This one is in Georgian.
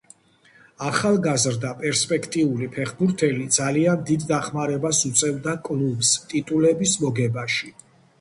ახალგაზრდა პერსპექტიული ფეხბურთელი ძალიან დიდ დახმარებას უწევდა კლუბს ტიტულების მოგებაში.